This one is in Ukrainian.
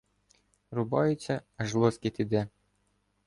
Рубаються, аж лоскіт іде.